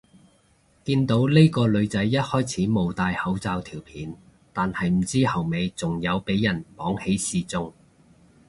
見到呢個女仔一開始冇戴口罩條片，但係唔知後尾仲有俾人綁起示眾